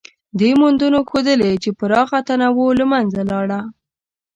دې موندنو ښودلې، چې پراخه تنوع له منځه لاړه.